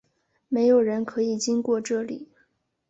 没有人可以经过这里！